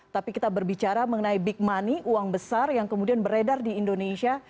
tapi kita berbicara mengenai big money uang besar yang kemudian beredar di indonesia